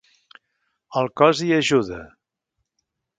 El cos hi ajuda.